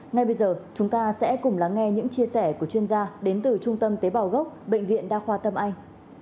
ngay bây giờ chúng ta sẽ cùng lắng nghe những chia sẻ của chuyên gia đến từ trung tâm tế bào gốc bệnh viện đa khoa tâm anh